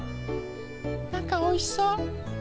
なんかおいしそう。